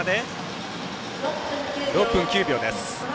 ６分９秒です。